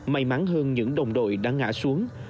may mắn hơn những đồng đội đã ngã xuống